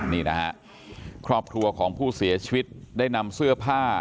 นี่นะฮะครอบครัวของผู้เสียชีวิตได้นำเสื้อผ้า